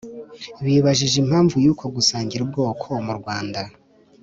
bibajije impamvu y'uko gusangira ubwoko mu Rwanda